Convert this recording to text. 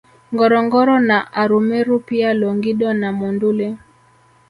Ngorongoro na Arumeru pia Longido na Monduli